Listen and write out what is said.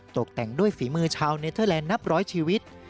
ตกแต่งด้วยฝีมือชาวเนเทอร์แลนดนับร้อยชีวิต